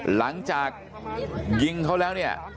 หลังจากยิงเขาแล้ว